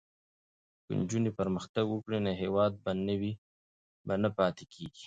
که نجونې پرمختګ وکړي نو هیواد به نه پاتې کېږي.